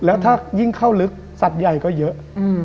แล้วถ้ายิ่งเข้าลึกสัตว์ใหญ่ก็เยอะ